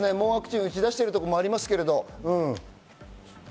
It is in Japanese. もう打ち出しているところもありますけど。